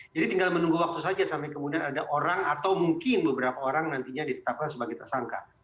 jadi tinggal menunggu waktu saja sampai kemudian ada orang atau mungkin beberapa orang nantinya ditetapkan sebagai tersangka